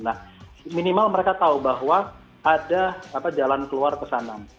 nah minimal mereka tahu bahwa ada jalan keluar ke sana